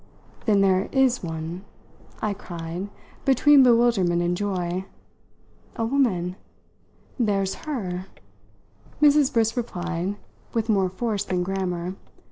"Then there is one?" I cried between bewilderment and joy. "A woman? There's her!" Mrs. Briss replied with more force than grammar.